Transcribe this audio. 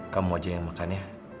kamu aja yang makan ya